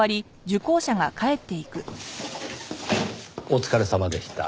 お疲れさまでした。